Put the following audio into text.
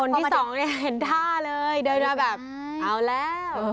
คนที่๒เห็นท่าเลยเดินต้านแบบอยู่แล้ว